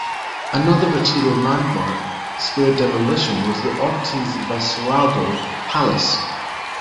Another Retiro landmark spared demolition was the Ortiz Basualdo Palace.